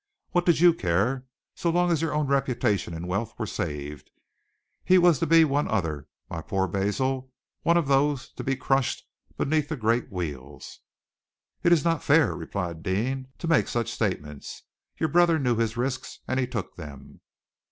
What did you care, so long as your own reputation and wealth were saved! He was to be one other my poor Basil one other of those to be crushed beneath the great wheels!" "It is not fair," replied Deane, "to make such statements. Your brother knew his risks, and he took them."